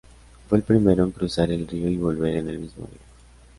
Fue el primero en cruzar el río y volver en el mismo día.